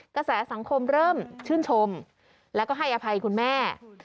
กระแสสังคมเริ่มชื่นชมแล้วก็ให้อภัยคุณแม่